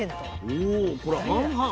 おこれ半々。